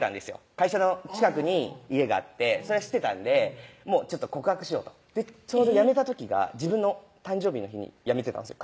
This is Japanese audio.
会社の近くに家があってそれは知ってたんでもう告白しようとでちょうど辞めた時が自分の誕生日の日に辞めてたんすよ